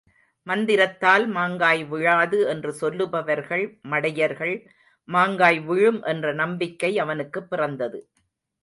மந்திரத்தால் மாங்காய் விழாது என்று சொல்லுபவர்கள் மடையர்கள் மாங்காய் விழும் என்ற நம்பிக்கை அவனுக்குப் பிறந்தது.